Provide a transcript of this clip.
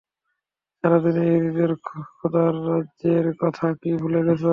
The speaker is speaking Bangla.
সারা দুনিয়ার ইহুদীদের খোদার রাজত্বের কথা কি ভুলে গেছ?